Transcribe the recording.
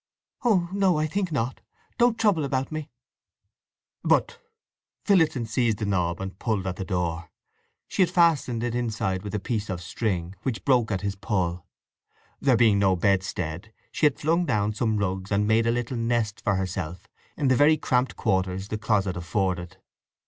"Oh no, I think not. Don't trouble about me." "But—" Phillotson seized the knob and pulled at the door. She had fastened it inside with a piece of string, which broke at his pull. There being no bedstead she had flung down some rugs and made a little nest for herself in the very cramped quarters the closet afforded.